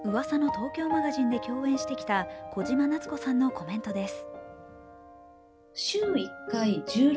東京マガジン」で共演してきた小島奈津子さんのコメントです。